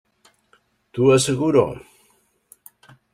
T'ho asseguro.